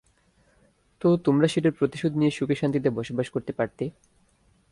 তো তোমরা সেটার প্রতিশোধ নিয়ে সুখে-শান্তিতে বসবাস করতে পারতে।